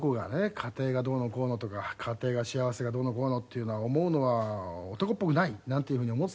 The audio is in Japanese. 家庭がどうのこうのとか家庭が幸せがどうのこうのっていうのは思うのは男っぽくないなんていう風に思ってたんですけどね。